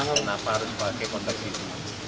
kenapa harus pakai konteks itu